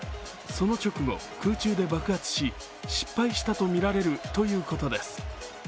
その直後、空中で爆発し、失敗したとみられるということです。